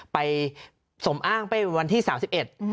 ไปสมอ้างไปวันที่สามสิบเอ็ด